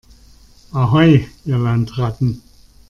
Ahoi, ihr Landratten!